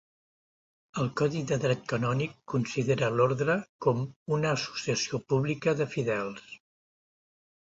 El codi de Dret Canònic considera l'orde com una associació pública de fidels.